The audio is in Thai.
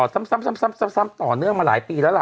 ซ้ำต่อเนื่องมาหลายปีแล้วล่ะ